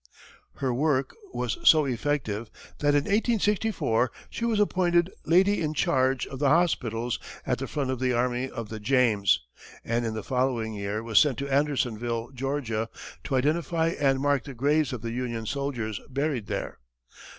Her work was so effective that in 1864, she was appointed "lady in charge" of the hospitals at the front of the Army of the James, and in the following year was sent to Andersonville, Georgia, to identify and mark the graves of the Union soldiers buried there.